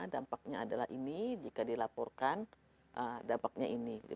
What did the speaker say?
dampaknya adalah ini jika dilaporkan dampaknya ini